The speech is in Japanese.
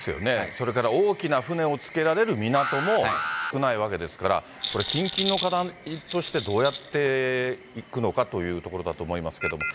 それから大きな船をつけられる港も少ないわけですから、近々の課題としてどうやっていくのかというところだと思いますけど。